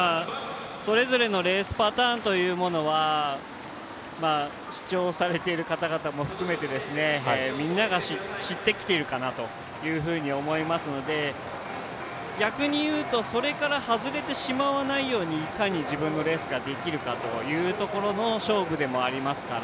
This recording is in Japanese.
それぞれのレースパターンというものは出場されている方々も含めてみんなが知ってきているかなと思いますので逆に言うと、それから外れてしまわないようにいかに自分のレースができるかというところの勝負でもありますから。